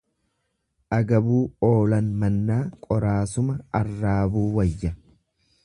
Agabuu oolan mannaa qoraasuma arraabuu wayya.